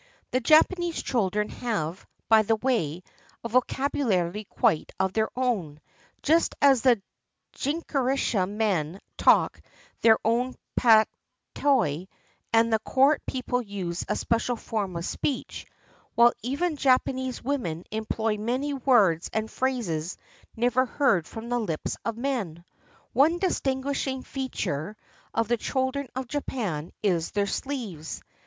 The Japanese children have, by the way, a vocabu lary quite their own — just as the jinrikisha men talk their own patois, and the Court people use a special form of speech; while even Japanese women employ many words and phrases never heard from the Hps of men. One distinguishing feature of the children of Japan is their sleeves.